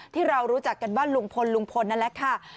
ที่เรารู้จักกันว่าลุงพลลุงพลนั่นแหละค่ะ